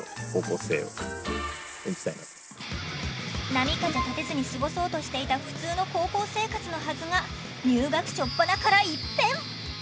波風立てずに過ごそうとしていた普通の高校生活のはずが入学しょっぱなから一変！